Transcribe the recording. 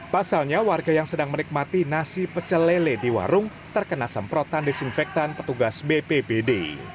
pasalnya warga yang sedang menikmati nasi pecelele di warung terkena semprotan desinfektan petugas bpbd